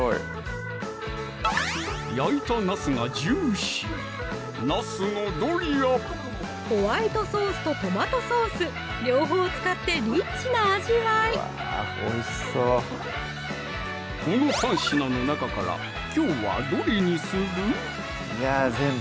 焼いたなすがジューシーホワイトソースとトマトソース両方使ってリッチな味わいこの３品の中からきょうはどれにする？